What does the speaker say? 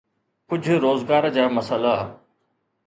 ڪجهه روزگار جا مسئلا.